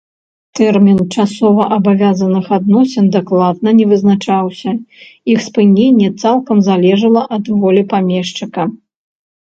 Тэрмін часоваабавязаных адносін дакладна не вызначаўся, іх спыненне цалкам залежала ад волі памешчыка.